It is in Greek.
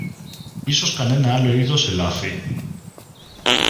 Ίσως κανένα άλλο είδος ελάφι;